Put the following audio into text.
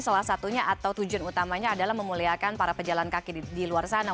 salah satunya atau tujuan utamanya adalah memuliakan para pejalan kaki di luar sana